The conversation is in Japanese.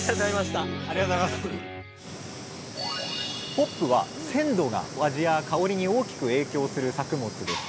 ホップは鮮度が味や香りに大きく影響する作物です。